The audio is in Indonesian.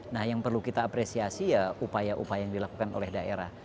nah yang perlu kita apresiasi ya upaya upaya yang dilakukan oleh daerah